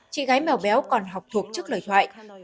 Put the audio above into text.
chị gái mèo béo còn học thuộc trước lời thoại